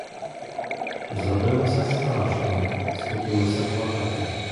Зробилося страшно, схотілося плакати.